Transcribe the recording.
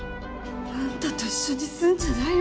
あんたと一緒にすんじゃないわよ。